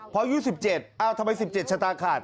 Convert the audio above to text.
เพราะอยู่๑๗ทำไม๑๗ชะตากาด